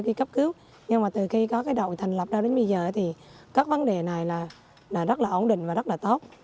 đi cấp cứu nhưng mà từ khi có cái đội thành lập ra đến bây giờ thì các vấn đề này là rất là ổn định và rất là tốt